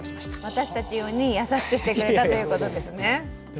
私たち用に優しくしてくれたということですね。